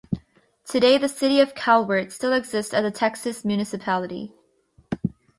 Today, the city of Calvert still exists as a Texas municipality.